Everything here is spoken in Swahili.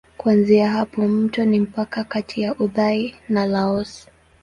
Kuanzia hapa mto ni mpaka kati ya Uthai na Laos.